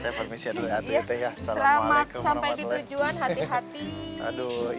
selamat sampai di tujuan hati hati